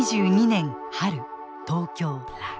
２０２２年春東京。